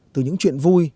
từ những chuyện vui